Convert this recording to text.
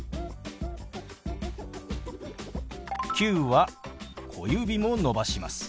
「９」は小指も伸ばします。